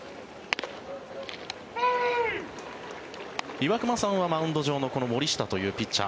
岩隈さんはマウンド上のこの森下というピッチャー